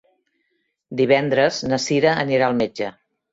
Divendres na Cira anirà al metge.